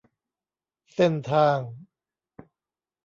เส้นทาง